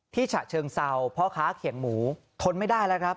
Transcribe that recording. ฉะเชิงเซาพ่อค้าเขียงหมูทนไม่ได้แล้วครับ